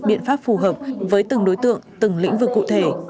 biện pháp phù hợp với từng đối tượng từng lĩnh vực cụ thể